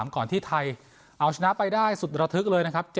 ก่อนที่ไทยเอาชนะไปได้สุดระทึกเลยนะครับ